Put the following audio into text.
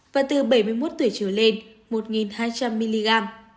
và từ bảy mươi một tuổi trở lên một hai trăm linh mg